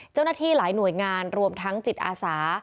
เจ้าหน้าที่หลายหน่วยงานรวมทั้งจิตอาสา